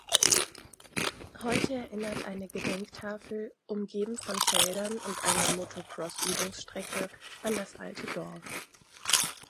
Heute erinnert eine Gedenktafel, umgeben von Feldern und einer Motocross-Übungsstrecke, an das alte Dorf.